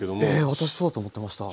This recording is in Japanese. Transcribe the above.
私そうだと思ってました。